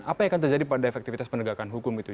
apa yang akan terjadi pada efektivitas penegakan hukum itu